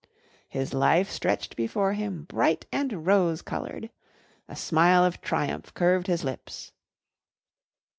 His life stretched before him bright and rose coloured. A smile of triumph curved his lips.